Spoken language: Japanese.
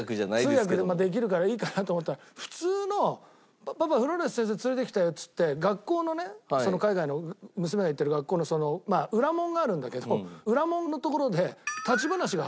通訳できるからいいかなと思ったら普通の「パパフローレス先生連れてきたよ」っつって学校のね海外の娘が行ってる学校の裏門があるんだけど裏門の所で立ち話が始まっちゃって。